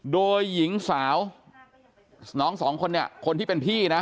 โดยหญิงสาวน้องสองคนเนี่ยคนที่เป็นพี่นะ